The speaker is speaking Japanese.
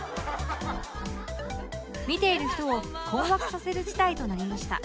見ている人を困惑させる事態となりました